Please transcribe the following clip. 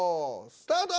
スタート！